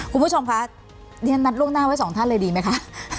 คุณผู้ชมคะเรียนนัดล่วงหน้าไว้สองท่านเลยดีไหมคะ